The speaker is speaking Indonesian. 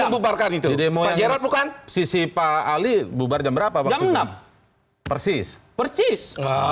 membubarkan itu bukan sisi pak ali bubar jam berapa waktu enam persis persis